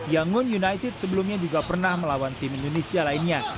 yangon united sebelumnya juga pernah melawan tim indonesia lainnya